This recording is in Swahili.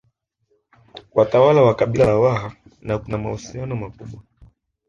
Watawala wa kabila la Waha na kuna mahusiano makubwa